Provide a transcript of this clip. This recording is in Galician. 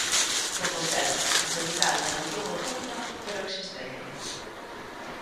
Compostela, a capital da nación oculta pero existente.